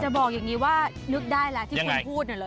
บอกอย่างนี้ว่านึกได้แล้วที่คุณพูดน่ะเหรอ